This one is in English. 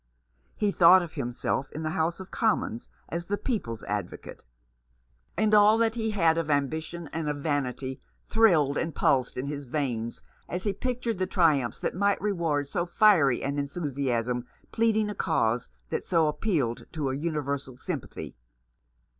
He thought of himself in the House of Commons as the people's advocate ; and all that he had of ambition and of vanity thrilled and pulsed in his veins as he pictured the triumphs that might reward so fiery an enthusiasm pleading a cause that so appealed to a universal sympathy.